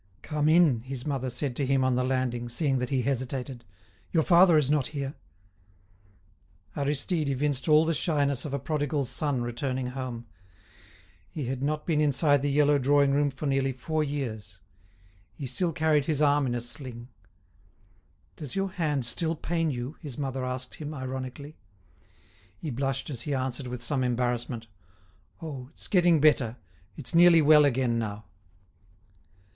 "Come in," his mother said to him on the landing, seeing that he hesitated. "Your father is not here." Aristide evinced all the shyness of a prodigal son returning home. He had not been inside the yellow drawing room for nearly four years. He still carried his arm in a sling. "Does your hand still pain you?" his mother asked him, ironically. He blushed as he answered with some embarrassment: "Oh! it's getting better; it's nearly well again now."